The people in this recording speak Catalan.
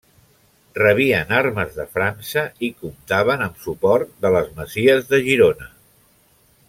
Rebien armes de França i comptaven amb suport de les masies de Girona.